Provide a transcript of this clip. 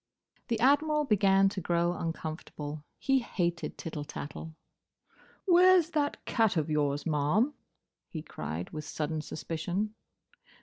The Admiral began to grow uncomfortable. He hated tittle tattle. "Where's that cat of yours, ma'am?" he cried, with sudden suspicion.